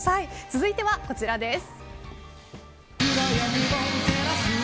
続いてはこちらです。